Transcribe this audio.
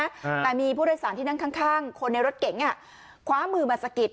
แต่มีผู้โดยสารที่นั่งข้างคนในรถเก๋งคว้ามือมาสะกิด